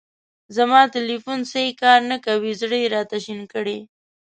زما تیلیفون سیی کار نه کوی. زړه یې را شین کړی.